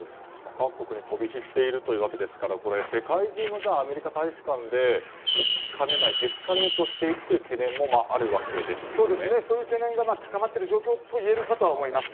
各国に飛び火していますから世界中のアメリカ大使館で起きかねないエスカレートしていくというそういう懸念が高まっている状況といえるかと思います。